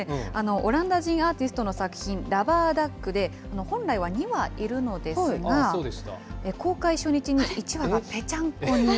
オランダ人アーティストの作品、ラバー・ダックで、本来は２羽いるのですが、公開初日に１羽がぺちゃんこに。